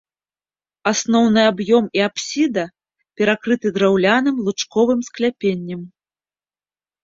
Асноўны аб'ём і апсіда перакрыты драўляным лучковым скляпеннем.